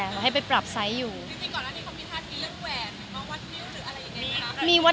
มีปิดฟงปิดไฟแล้วถือเค้กขึ้นมา